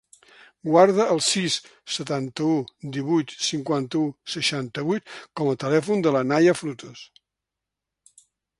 Guarda el sis, setanta-u, divuit, cinquanta-u, seixanta-vuit com a telèfon de la Naia Frutos.